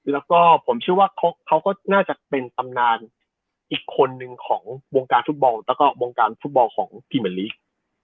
แล้วก็ผมเชื่อว่าเขาก็น่าจะเป็นตำนานอีกคนนึงของวงการฟุตบอลแล้วก็วงการฟุตบอลของพรีเมอร์ลีก